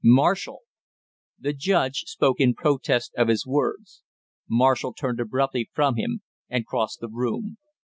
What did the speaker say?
"Marshall!" The judge spoke in protest of his words. Marshall turned abruptly from him and crossed the room.